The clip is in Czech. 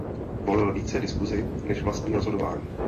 Volil více diskusi než vlastní rozhodování.